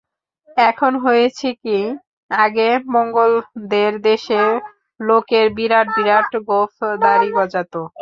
এখন হয়েছি কি, আগে মোঙ্গলদের দেশে লোকের বিরাট বিরাট গোঁফ-দাড়ি গজাত।